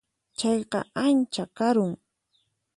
Chayqa ancha karun.